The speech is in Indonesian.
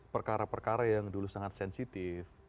perkara perkara yang dulu sangat sensitif